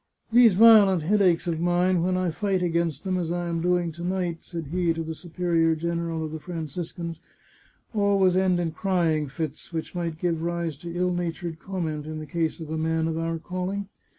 " These violent headaches of mine, when I fight against them as I am doing to night," said he to the superior gen eral of the Franciscans, " always end in crying fits, which might give rise to ill natured comment, in the case of a man of our calling.